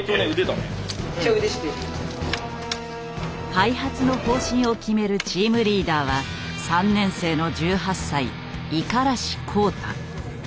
開発の方針を決めるチームリーダーは３年生の１８歳五十嵐幸多。